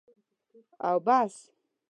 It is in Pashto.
او بس.